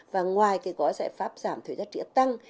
và ngoài cái gói giải pháp giảm thuế giá trị tăng